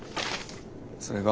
それが？